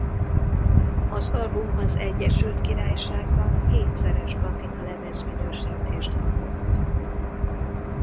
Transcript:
Az album az Egyesült Királyságban hétszeres platinalemez minősítést kapott.